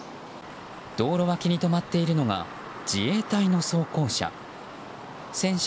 道路脇に止まっているのが自衛隊の装甲車。